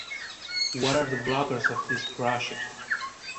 What are the blockers of this project?